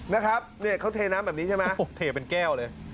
นะครับเนี่ยเขาเทน้ำแบบนี้ใช่ไหมเทเป็นแก้วเลย